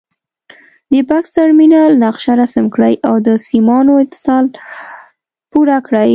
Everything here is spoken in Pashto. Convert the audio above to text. د بکس ټرمینل نقشه رسم کړئ او د سیمانو اتصال پوره کړئ.